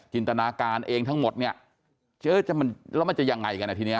จินตนาการเองทั้งหมดเนี้ยเจอจะมันแล้วมันจะยังไงกันอ่ะทีเนี้ย